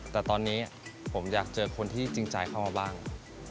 แต่ตอนนี้ผมอยากเจอคนที่จริงใจเข้ามาบ้าง